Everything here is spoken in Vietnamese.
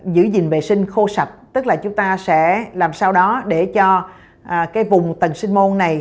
giữ gìn vệ sinh khô sạch tức là chúng ta sẽ làm sao đó để cho cái vùng tầng sinh môn này